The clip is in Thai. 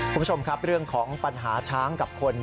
คุณผู้ชมครับเรื่องของปัญหาช้างกับคน